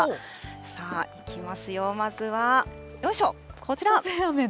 さあ、いきますよ、まずはよいしょ、こちら。